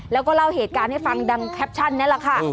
แล้วก็เล่าเหตุการณ์ให้ฟังดังแคปชั่นนั่นแหละค่ะ